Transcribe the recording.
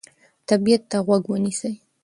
طبیعت ته غوږ ونیسئ.